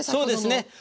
そうですね。